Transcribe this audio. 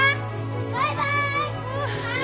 バイバイ！